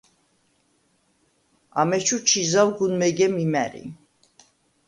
ამეჩუ ჩი ზავ გუნ მეგემ იმა̈რი.